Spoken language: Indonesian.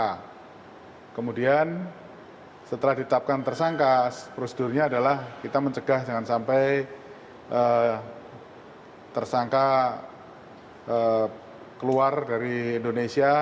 nah kemudian setelah ditetapkan tersangka prosedurnya adalah kita mencegah jangan sampai tersangka keluar dari indonesia